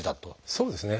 そうですね。